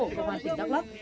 của hoàn tỉnh đắk lóc